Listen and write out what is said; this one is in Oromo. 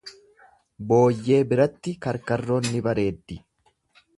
Booyyee biratti karkarroon ni bareeddi.